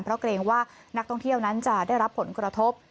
เพราะเกรงว่านักท่องเที่ยวนั้นจะได้รับผลกระทบ